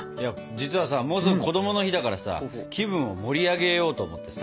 実はさもうすぐこどもの日だからさ気分を盛り上げようと思ってさ。